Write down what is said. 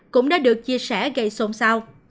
cũng đã được chia sẻ gây xôn xao